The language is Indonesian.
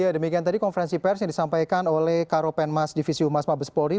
ya demikian tadi konferensi pers yang disampaikan oleh karopenmas divisi umas mabes polri